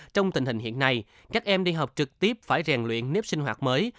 trong tình hình hiện nay các em đi học trực tiếp phải rèn luyện nếp sinh hoạt mới